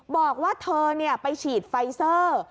บอกว่าเธอไปฉีดไฟเซอร์